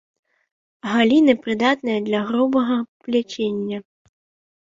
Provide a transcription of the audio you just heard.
Галіны прыдатныя для грубага пляцення.